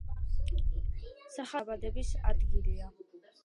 სახარებაში იესო ქრისტეს დაბადების ადგილია.